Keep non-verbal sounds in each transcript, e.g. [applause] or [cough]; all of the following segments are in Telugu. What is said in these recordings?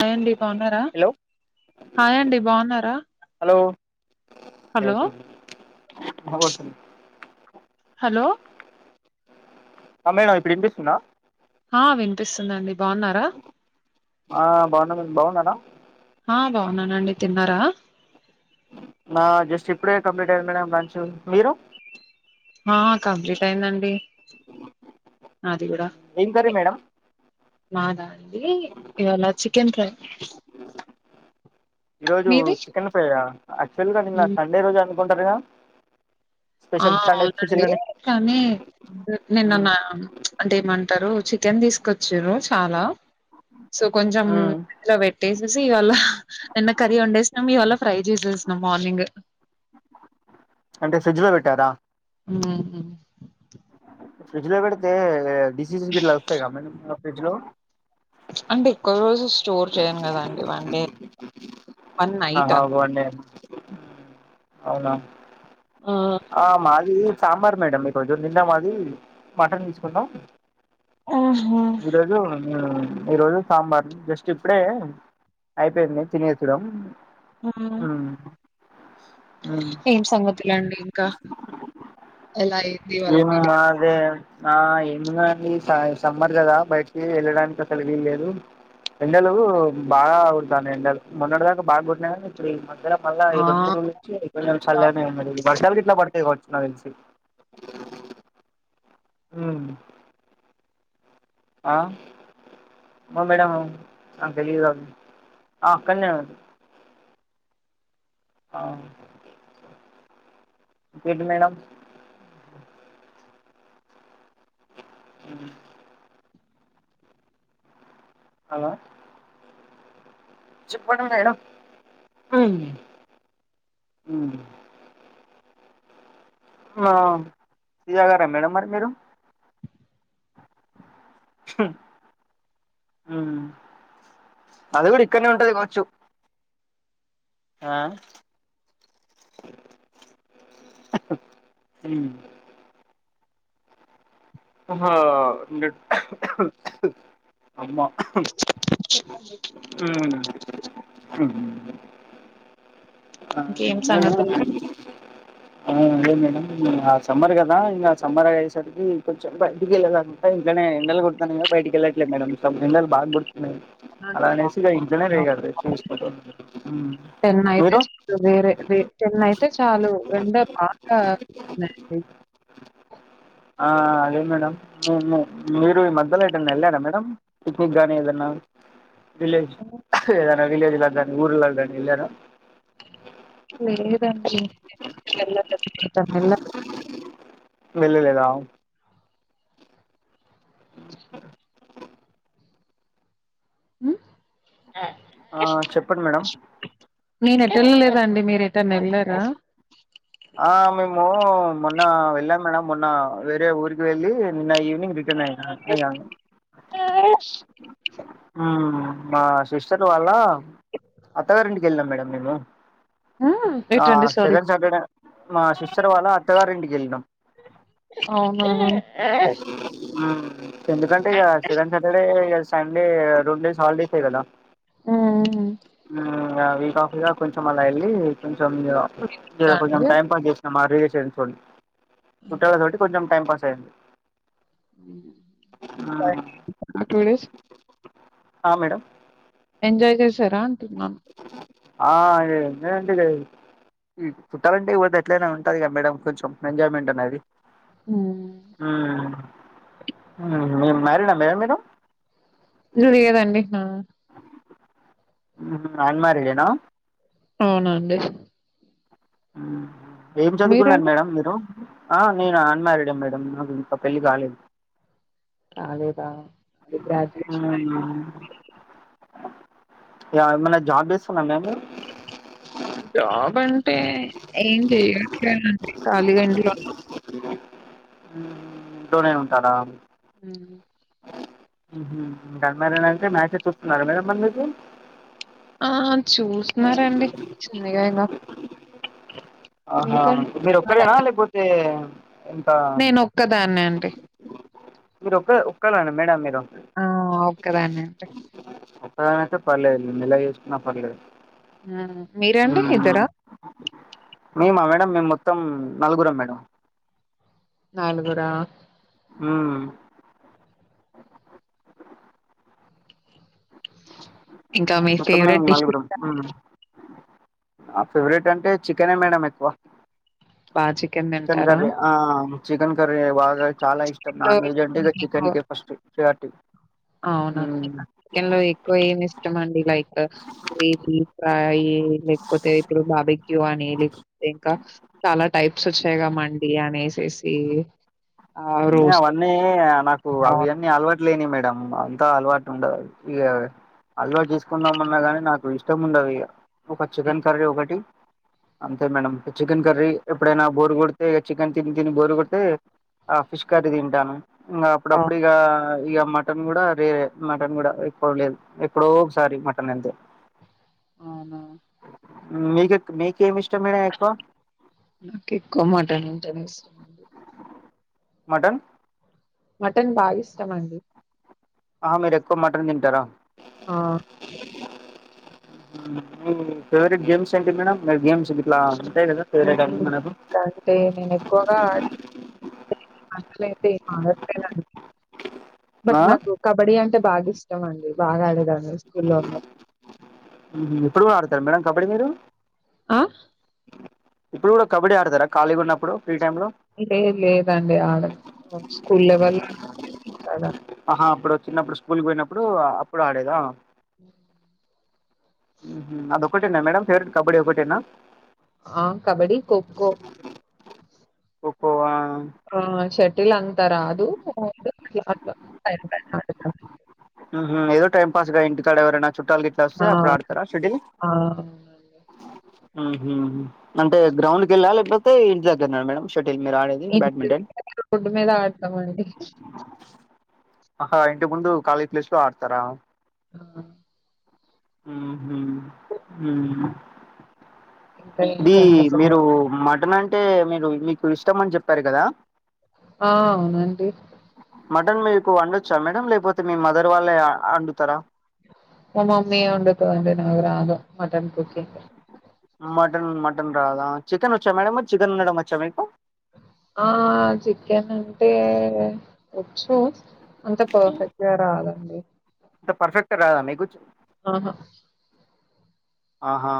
హాయ్ అండి బాగున్నారా హలో హాయండి బాగున్నారా హలో [unintelligible] వినబడుతుందా హలో అ మేడం ఇప్పుడు వినిపిస్తుందా ఆ వినిపిస్తుందండి బాగున్నారా ఆ బాగున్నా మీరు బాగునన్నారా ఆ బాగున్నానండి తిన్నారా ఆ జస్ట్ ఇప్పుడే కంప్లీట్ అయింది మేడం లంచ్ మీరు ఆ కంప్లీట్ అయిందండి అది కూడా ఏం కర్రీ మేడం మాదా అండి ఇవాలా చి చికెన్ ఫ్రై ఈ రోజు మీది చికెన్ ఫ్రై యాక్చువల్ గా నిన్న ఉమ్. సండే రోజు అనుకుంటారగా ఆ అవునండి కానీ నిన్నన్న అంటేమంట చికెన్ తీసుకొచ్చారు చాలా సో కొంచం ఫ్రిడ్జ్ ల పే ట్టేసేసి ఇవాళ నిన్న కర్రీ వండేసినాం ఈవాల్ళ ఫ్రై చేసేసినం మార్నింగ్ అంటే ఫ్రిడ్జ్ లో పెట్టారా ఉహు ఫ్రిడ్జ్ లో పెడితే డిసీజులు గిట్ల వస్తాయి గా మేడం ఫ్రిడ్జ్ లో అంటే ఎక్కువ రోజు స్టోర్ చేయను కదాండి వన్ డే వన్ ఆహా నైటా? ఒక వన్ ఇయర్ అవునా ఆ! ఆ మాది కూ ఇది సాంబార్ మేడం ఈ రోజు నిన్న మాది మటన్ తీసుకున్నం ఆహా ఈ రోజు సాంబార్ జస్ట్ ఇప్పుడే అయిపోయింది తిన్సేడం ఆ ఏం సంగతులండి ఇంకా ఎలా ఇవాళ ఏం మీ డే? అనలే నా ఏమి ఉనదండి సమ్మర్ కదా బయటికి వెళ్ళడానికి అసలు వీల్లేదు ఎండలు బాగా కుడతాను ఎండలు మొన్నటి దాకా బాగా కొట్టినయి కానీ ఇప్పుడు ఈ మధ్యల మళ్ళ ఈ ఆ! రెండు మూడు నుంచి కొంచెం అవునండి చల్లేనే బాగున్నాం. ఉంది మరి ఈ వర్షాలకి ఇట్లా పడితాయి కావచ్చు నాకు తెలిసి ఉమ్ ఆ ఓ మేడం నాకు తెలిదు అవ్వి అక్కనే అని ఆ ఇంకా ఏంటి మేడం అ హలో చెప్పండి మేడం. ఉం ఆ టీ తాగరా మేడం మరి మీరు చె అది కూడా ఇక్కనే ఉంటది కాచ్చు ఆ అహి ఉమ్ ఆహా అమా ఉమ్ ఉం ఆ ఇంకేం నేను సంగతులు? ఆ అదే మేడం ఆ సమ్మర్ కదా ఇగ సమ్మర్గాసరికి కొంచెం బయటికీ వెళ్లడానికి ఇంట్లనే ఎండలు కుడతన్నాయి కద బయటికి వెళ్ళట్లేదు మేడం ఎండలు బాగా కొడు అలా అవునండి అనేసి ఇక ఇంట్లోనే బాగున్నాం. రెస్ట్ తీసుకుంటూ అయితే మీరు చాలు వేరే వే టెన్ అయితే చాలు ఎండ బాగాంటన్నాయండి అదే మేడం మీరు ఈ మధ్యలో ఎట వెళ్ళాడా మేడం పిక్నిక్ కాగానీ ఏదన్నా విలేజ్ ఏదైనా విలేజ్ లా కానీ ఊర్లా కానీ వెళ్లారా లేదండి వెళ్లలేదా ఉ ఆ చెప్పండి మేడం నేను ఎటళలేదాండి మీరు ఎటన్న వెళ్లారా ఆ మేము మొన్న వెళ్ళాం మేడం మొన్న వేరే ఊరికి వెళ్ళి నిన్న ఈ రిటర్న్ అయి అయము ఆ! మా సిస్టర్ వాళ్ళ అత్తగారింటికి వెళ్ళాం మేడం మేము ఆ ఎటండి సారీ. సెకండ్ సాటర్డే మా సిస్టర్ వాళ్ళ అత్తగారి ఇంటికి ఎళ్ళినాం అవునవును ఎందుకంటే ఇగా సెకండ్ సాటర్డే ఇ సండే రెం డేస్ హాలిడేస్ ఎ కదా ఆ హ్మ్. వీక్ ఆఫ్ గా కొంచెం అ వెళ్ళి కొంచెం దాని కొంచెం వల్ల టైం పాస్ చేస్ [unintelligible] చుట్టలు కాబట్టి కొంచెం టైం పాస్ అయ్యింది [inaudible] ఆ మేడం ఎంజాయ్ చేసార అంటున్నాను ఆ [unintelligible] చుట్టలింటికి పోతే ఎట్లయినా ఉంటదిగా మేడం కొంచెం ఎంజాయ్మెంట్ అనేది హ్మ్ ఉ ఉమ్ మ్యారిడా మేడం మీరు లేదండి అన్ మ్యారిడ్ ఎన అవునండి ఏం చదువుకున్నారు మీరండి మేడం మీరు ఆ నేన అన్మారిడే మేడం నాకు ఇంకా పెళ్ళి కాలేదు కాలేదా అ గ్రాజుయేషన్ [unintelligible] [unintelligible] జాబ్ అంటే ఏం [unintelligible] [unintelligible] కాలిగా ఇంట్లో [unintelligible] ఇంట్లోనే ఉంటార హు అన్ మ్యారీడ్ అంటే మ్యాచస్ చూస్తున్నారు మేడం మరి మీకు ఆ చూస్నారండి చిన్నగా ఐన ఆహా మీరు ఒక్కరేనా లేకపోతే ఇంకా నేను ఒక్కదాన్నే అండి మీరొక్కరే [unintelligible] ఆ ఓకేదన్నే అయితే పర్లేదు మెల్లగా చేసుకున్నా పర్లేదు ఆ మీరండి ఉమ్ ఇద్దరా మేమా మేడం మేము మొత్తం నలుగురం మేడం నలుగురా హు ఇంకా మీ మొత్తం ఫేవరెట్ మేము డిష్ నలగురం ఫేవరెట్ అంటే చికెనే మేడం ఎక్కువ బా చికెన్ తింటారా కర్రీ ఆ చికెన్ కర్రీ బాగ చాల ఇష్టం లో నాన్ వెజ్ అంటే ఇ చికెన్ కే ఫస్ట్ ప్రయారిటి అవును చికెన్ లో ఎక్కువ ఏమి ఇష్టం అండి లైక్ [unintelligible] కాకపోతే ఇప్పుడు బాబీ క్యూ అని లేకపోతే ఇంకా చాలా టైప్స్ వచ్చాయి క మండి అనేేసేసి ఈ అవన్నీ నాకు అవును. అవన్నీ అలవాట్లేనివి మేడం అంతా అలవాటు ఉండదు ఇక అలవాటు చేసుకుందామన్నా గాని నాకు ఇష్టం ఉండదు ఇగ ఒక చికెన్ కర్రీ ఒకటి అంతే మేడం చికెన్ కర్రీ ఎప్పుడైన బోరు కొడితే ఇక చికెన్ తిని తిని బోరు కొడితే ఆ ఫిష్ కర్రీ తింటాను ఇంకా అప్పుడప్పుడు ఇగా ఇగ మటన్ కూడా రే మటన్ కూడా ఎక్కువ లేదు ఎప్పుడో ఒకసారి మటన్ అంతే అవునా హ్మ్మ్ మీక మీకేమిష్ నాకు ఎక్కువ మటన్ ఉంటానే ఇష్టం మటన్ మటన్ బాగిష్టం అండి ఆ మీరెక్కువ మటన్ తింటారా ఆ! మీ ఫేవరెట్ గేమ్స్ ఏంటి మేడం గేమ్ [unintelligible] నేను ఎక్కువగా అట్లయితే [unintelligible] ఆ బట్ నాకు కబడ్డీ అంటే బాగా ఇష్టం అండి బాగా ఆడేదాన్ని స్కూల్లో ఉన్నప్పుడు ఇప్పుడు కూడా మేడం కబడ్డీ మీరు ఆ ఇప్పుడు కూడా కబడ్డీ ఆడతారా ఖాళీగా ఉన్నప్పుడు ఫ్రీ టైమ్ లో లేదు లేదండి ఆడను స్కూల్ వల్ల ఆహా అప్పుడు చిన్నప్పుడు స్కూల్కి పోయినప్పుడు అప్పుడు ఆడేదా హ్మ్మ్ అదొకటేనా మేడం ఫేవరెట్ కబడ్డీ ఒకటేనా ఆ కబడి ఖోఖో ఖోఖో ఆ ఆ సెట్ ల్ అంత రాదు అట్లా అట్లా పైన పైన ఆడతాను హుహు. ఏదో టైం పాస్ గా ఇంటికాడ ఎవరైనా చుట్టాలు గిట్లా వస్తే ఆ! అప్పుడు ఆడతారా శెటిల్ ఆ! అవునండి. హ్మ్మ్ అంటే గ్రౌండ్కి ఎళ్ళా లేకపోతే ఇంటి దగ్గర ఉన్నాడు మేడం ష మీరు ఆడేది బ్యాడ్మింటన్ ఎలా ఆడతాం అండి ఆహా ఇంటి ముందు ఖాళీ ప్లేస్ లో ఆడతారా ఆహా హ్మ్మ్ హ్మ్మ్ ఇంకా ఏం ఇది సంగతులు? మీరు మటన్ అంటే మీరు మీకు ఇష్టం అని చెప్పారు కదా ఆ అవునండి మటన్ మీకు వండొచ్చా మేడం లేకపోతే మీ మదర్ వాళ్ళే వండుతారా మా మమ్మీ ఏ వండుతది అండి నాకు రాదు మటన్ అంతే మటన్ మటన్ రాదా చికెన్ ఒచ్చా మేడం చికెన్ వండడం వచ్చా మీకు ఆ చికెన్ అంటే వచ్చు అంత పర్ఫెక్ట్గా రాదండి అంత పర్ఫెక్ట్ రాదా మీకు ఆహా ఆహా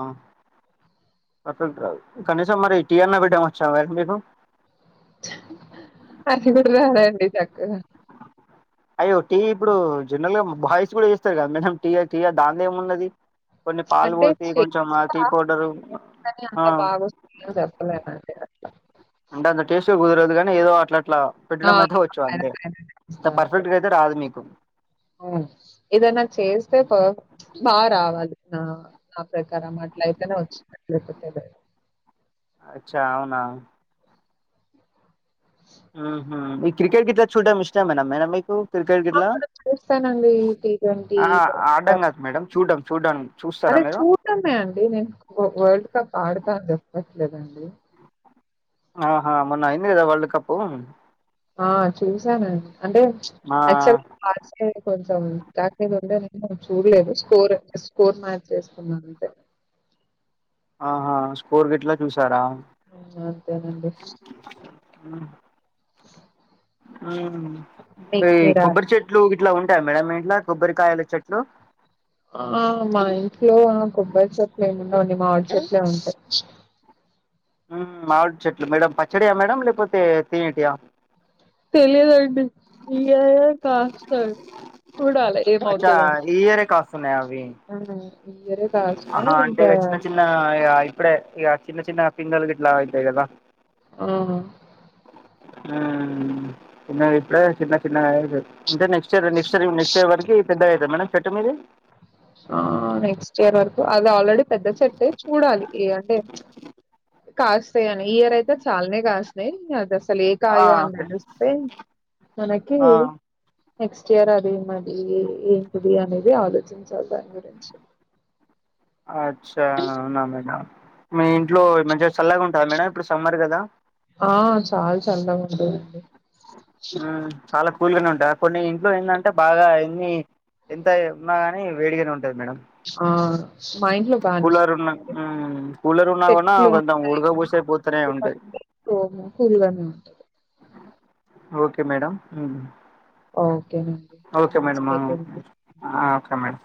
కనీసం మరి టీ అన్న పెట్టడం వచ్చా మరి మీకు అది కూడా రాదండి చక్కగా అయ్యో టీ ఇప్పుడు జనరల్ గా బాయ్స్ కూడా చేస్తారు కదా మేడం టీ టీయా దానిదేమున్నది కొన్ని పాలు అంటే పోసి కొంచం ఆ చేస్తా టీ పౌడరు కానీ ఆ అంత బాగొస్తుందని చెప్పలేనండి అట్లా అంటే అంత టేస్ట్ గా కుదరదు కానీ ఏదో అట్లా అట్లా ఆ పెట్టడం అయితే వచ్చు అంతే అంత అంతే పర్ఫెక్ట్ గా అయితే రాదు మీకు ఏదన్నా చేస్తే ప బాగా రావాలి ఆ నా ప్రకారం అట్లా అయితేనే వచ్చినట్లే లేకపోతే లేదు అచ్చా అవునా హ్మ్మ్ ఈ క్రికెట్ గిట్లా చూడడం ఇష్టమేన మేడం మీకు క్రికెట్ ఆ! గిట్లా చూస్తానండి టీ ఆహా ఆ! ఆడడం కాదు మేడం చూడం అదే చూటమే అండి నేను వరల్డ్ కప్ ఆడుతా అని చెప్పట్లేదండి ఆహా మొన్నయింది కదా వరల్డ్ కప్పు ఆ చూసానండి అంటే ఆ అక్టువల్గా కొంచం ఉండే చూడలేదు స్కోర్ స్కోర్ మ్యాచ్ చేస్తున్నాంటే ఆహా స్కోర్ గిట్లా చూసారా ఆ అంతేనండి ఉమ్ మీకు ఈ మీరా కొబ్బరి చెట్లు ఇట్లా ఉంటాయి మేడం మీ ఇంట్లా కొబ్బరికాయలు చెట్లు ఆ మా ఇంట్లో కొబ్బరి చెట్లు ఏమి ఉండవండి మామిడి చెట్లే ఉంటాయి ఉమ్ మావిడి చెట్లు మేడం పచ్చడియా మేడం లేకపోతే తినేటియా తెలిదండి ఈయే కాస్త అచ్చా ఈ ఇయరే కాస్తున్నాయా అవి ఆ ఈ ఇయరే కాస్తున్నాయి ఆహా అంటే ఇంకా ఇక చిన్న చిన్న ఇ ఇప్పుడే ఇగా చిన్న చిన్న పిందేల్ గిట్లా ఆయితా కదా ఆ ఉమ్ చిన్న ఇప్పుడే గాదా చిన్న చిన్న అంటే next year next year next year వరకి పెద్ద అవుతాయా మేడం చెట్టు మీద ఆ నెక్స్ట్ ఇయర్ వరకు అది ఆల్రెడీ పెద్ద చెట్టే చూడాలి ఈగ అంటే కాస్తాయి అని ఈ ఇయర్ అయితే చాలానే కాసినయ్ అసలు ఏ ఆ, కాయో అని ఓకే తెలిస్తే మనకి ఆ, నెక్స్ట్ ఇయర్ అదేమది ఏంటిది అనేది ఆలోచించాలి గురించి అచ్చా అవునా మేడం మీ ఇంట్లో మంచిగా చల్లగా ఉంటదా మేడం ఇప్పుడు సమ్మర్ కదా ఆ చాలా చల్లగా ఉంటుదండి ఉమ్ చాలా కూల్గానే ఉంటుంది డా కొన్ని ఇంట్లో ఏంటంటే బాగా ఎన్ని ఎంత ఉన్నా గాని వేడిగానే ఉంటది. మేడం ఆ మా ఇంట్లో బాగానే కూలర్ ఉన్న మ్మ్ కూలర్ ఉన్నా కూడా చెట్లు కొంచెం ఉంటాయి ఉడకపోసేపోతూనే కదా ఉంటది క్రోము కూల్గానే ఉంటాది ఓకే మేడం ఉమ్ ఓకేనండి. ఓకే నెక్స్ట్ మేడం మీకేముంది? ఆ ఓకే మేడం